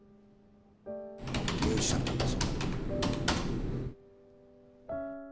ミュージシャンだってそうだろ？